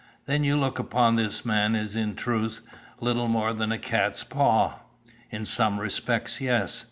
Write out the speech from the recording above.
"Then you look upon this man as in truth little more than a cat's paw?" "In some respects, yes.